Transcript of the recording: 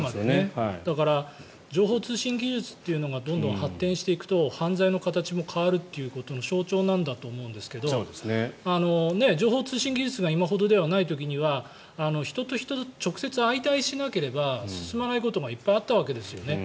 だから情報通信技術というのがどんどん発展していくと犯罪の形も変わるということの象徴だと思いますが情報通信技術が今ほどではない時には人と人と直接相対しなければ進まないことがいっぱいあったわけですよね。